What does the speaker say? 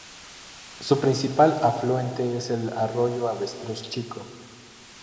Su principal afluente es el arroyo Avestruz Chico.